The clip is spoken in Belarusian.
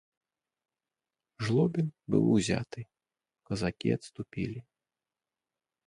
Жлобін быў узяты, казакі адступілі.